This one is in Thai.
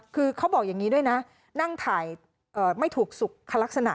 คือเขาบอกอย่างนี้ด้วยนะนั่งถ่ายไม่ถูกสุขลักษณะ